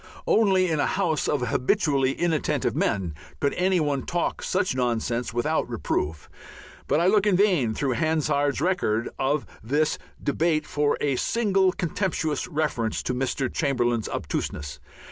Only in a house of habitually inattentive men could any one talk such nonsense without reproof, but I look in vain through Hansard's record of this debate for a single contemptuous reference to Mr. Chamberlain's obtuseness.